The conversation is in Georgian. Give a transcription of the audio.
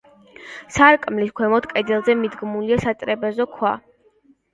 სარკმლის ქვემოთ, კედელზე, მიდგმულია სატრაპეზო ქვა.